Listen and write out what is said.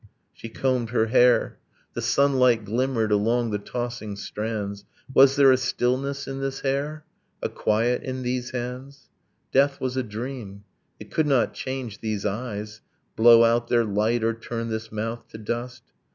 ... She combed her hair. The sunlight glimmered Along the tossing strands. Was there a stillness in this hair, A quiet in these hands? Death was a dream. It could not change these eyes, Blow out their light, or turn this mouth to dust.